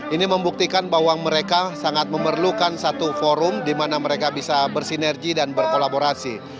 ini membuktikan bahwa mereka sangat memerlukan satu forum di mana mereka bisa bersinergi dan berkolaborasi